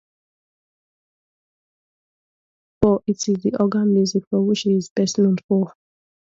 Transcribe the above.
But it is his organ music for which he is best known.